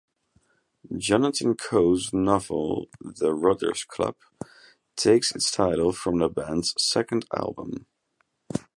Jonathan Coe's novel "The Rotters' Club" takes its title from the band's second album.